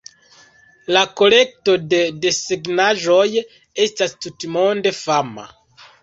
La kolekto de desegnaĵoj estas tutmonde fama.